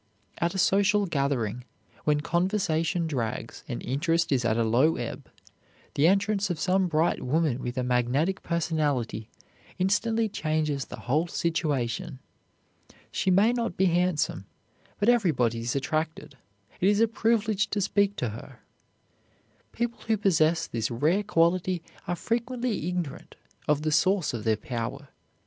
At a social gathering, when conversation drags, and interest is at a low ebb, the entrance of some bright woman with a magnetic personality instantly changes the whole situation. She may not be handsome, but everybody is attracted; it is a privilege to speak to her. People who possess this rare quality are frequently ignorant of the source of their power.